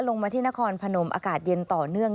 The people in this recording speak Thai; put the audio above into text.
ลงมาที่นครพนมอากาศเย็นต่อเนื่อง